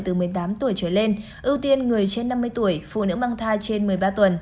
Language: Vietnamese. từ một mươi tám tuổi trở lên ưu tiên người trên năm mươi tuổi phụ nữ mang thai trên một mươi ba tuần